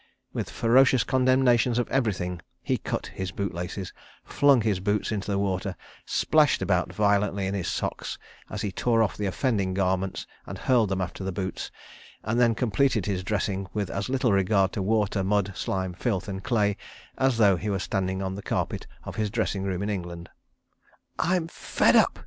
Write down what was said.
With ferocious condemnations of everything, he cut his boot laces, flung his boots into the water, splashed about violently in his socks, as he tore off the offending garments and hurled them after the boots, and then completed his dressing with as little regard to water, mud, slime, filth, and clay as though he were standing on the carpet of his dressing room in England. "I'm fed up!"